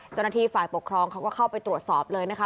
เจ้าหน้าที่ฝ่ายปกครองเขาก็เข้าไปตรวจสอบเลยนะคะ